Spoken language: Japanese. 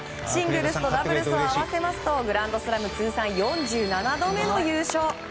シングルスとダブルスを合わせるとグランドスラム通算４７度目の優勝。